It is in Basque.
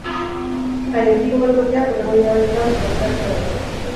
Gainontzeko geltokiak hurrengo hilabetetan zabaltzea espero da.